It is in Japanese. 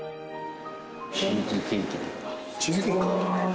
チーズケーキか！